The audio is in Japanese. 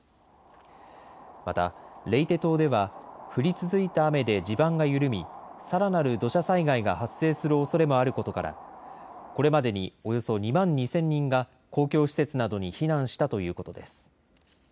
また、レイテ島では降り続いた雨で地盤が緩みさらなる土砂災害が発生するおそれもあることからこれまでにおよそ２万２０００人が公共施設などに避難したということです。